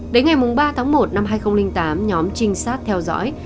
đến ngày ba tháng một năm hai nghìn tám nhóm trinh sát theo dõi